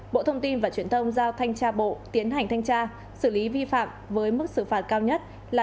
bộ thông tin và truyền thông giao thanh tra bộ tiến hành thanh tra xử lý vi phạm với mức xử phạt cao nhất là